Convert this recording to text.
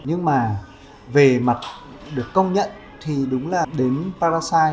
nhưng mà về mặt được công nhận thì đúng là đến parasite